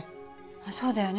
そうだよね。